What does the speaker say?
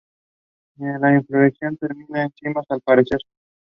I remember that day very clearly because that was the Taiwan presidential election day.